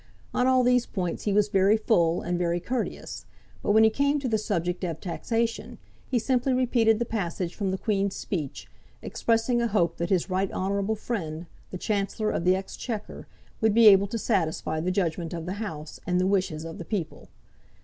On all these points he was very full, and very courteous; but when he came to the subject of taxation, he simply repeated the passage from the Queen's Speech, expressing a hope that his right honourable friend, the Chancellor of the Exchequer, would be able to satisfy the judgement of the House, and the wishes of the people.